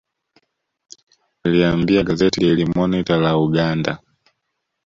Aliliambia gazeti Daily Monitor la Uganda